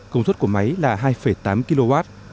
công suất của máy là hai tám kw